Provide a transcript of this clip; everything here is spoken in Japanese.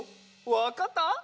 わかった？